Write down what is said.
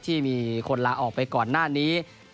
ที่มีคนลาออกไปก่อนหน้านี้